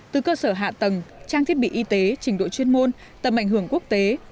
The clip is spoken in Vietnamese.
từ cơ sở hạ tầng trang thiết bị y tế trình độ chuyên môn tầm ảnh hưởng quốc tế